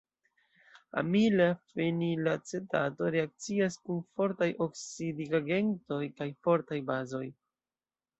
Amila fenilacetato reakcias kun fortaj oksidigagentoj kaj fortaj bazoj.